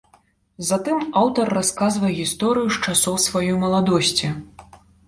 Затым аўтар расказвае гісторыю з часоў сваёй маладосці.